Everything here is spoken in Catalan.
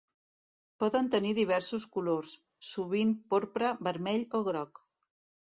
Poden tenir diversos colors, sovint porpra, vermell o groc.